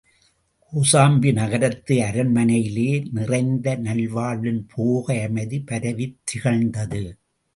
கோசாம்பி நகரத்து அரண்மனையிலே நிறைந்த நல்வாழ்வின் போக அமைதி பரவித் திகழ்ந்தது.